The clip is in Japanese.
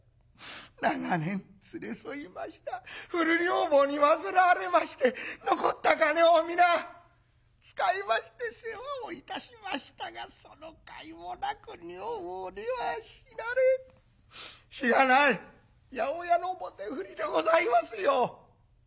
長年連れ添いました古女房に患われまして残った金を皆使いまして世話をいたしましたがそのかいもなく女房には死なれしがない八百屋の棒手振りでございますよ。